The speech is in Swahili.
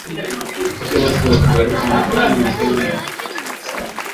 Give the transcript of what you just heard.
kufuatia uasi wa karibu miaka kumi unaofanywa na wapiganaji wa kiislamu